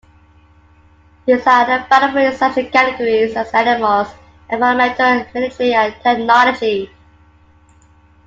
These are available in such categories as Animals, Environmental, Military and Technology.